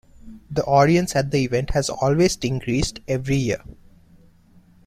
The audience at the event has always increased every year.